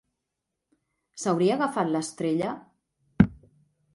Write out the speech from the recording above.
S'hauria agafat l'estrella?